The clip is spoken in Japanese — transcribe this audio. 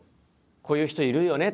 「こういう人いるよね」